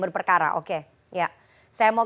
berperkara oke saya mau